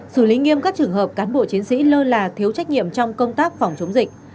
xử lý nghiêm các trường hợp cán bộ chiến sĩ lơ là thiếu trách nhiệm trong công tác phòng chống dịch